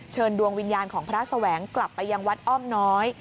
ดวงวิญญาณของพระแสวงกลับไปยังวัดอ้อมน้อย